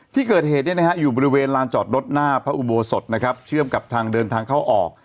ที่เกิดเหตุอยู่บริเวณลานจอดรถหน้าพระอุโบสถนะครับเชื่อมกับทางเดินทางเข้าออก